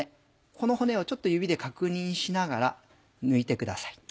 この骨をちょっと指で確認しながら抜いてください。